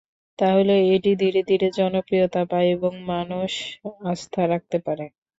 তাহলে এটি ধীরে ধীরে জনপ্রিয়তা পায় এবং মানুষ আস্থা রাখতে পারে।